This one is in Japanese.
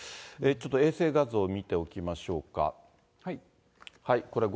ちょっと衛星画像見ておきましょうか。